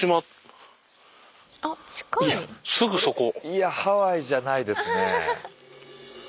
いやハワイじゃないですね。